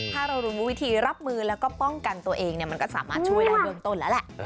ถ้าเรารู้วิธีรับมือแล้วก็ป้องกันตัวเองมันก็สามารถช่วยได้เบื้องต้นแล้วแหละ